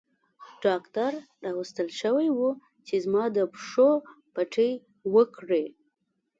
ډاکټر راوستل شوی وو چې زما د پښو پټۍ وکړي.